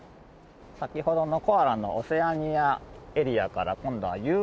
先ほどのコアラのオセアニアエリアから今度はユーラシアエリアの方に。